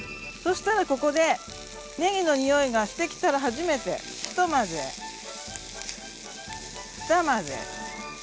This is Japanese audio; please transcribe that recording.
そしたらここでねぎの匂いがしてきたら初めてひと混ぜふた混ぜ。